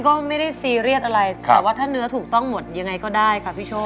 เหลืองตา